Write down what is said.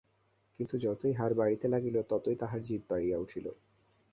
কিন্তু যতই হার হইতে লাগিল, ততই তাহার জিদ বাড়িয়া উঠিল।